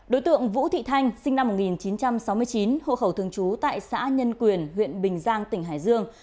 đối tượng vũ thị thanh sinh năm một nghìn chín trăm sáu mươi chín hộ khẩu thường trú tại xã nhân quyền huyện bình giang tỉnh hải dương